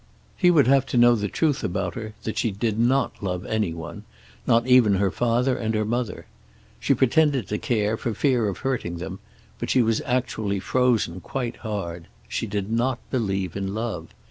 He would have to know the truth about her, that she did not love any one; not even her father and her mother. She pretended to care for fear of hurting them, but she was actually frozen quite hard. She did not believe in love.